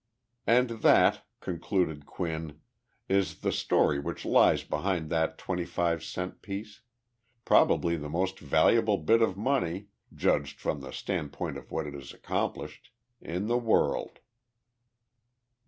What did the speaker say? "And that," concluded Quinn, "is the story which lies behind that twenty five cent piece probably the most valuable bit of money, judged from the standpoint of what it has accomplished, in the world."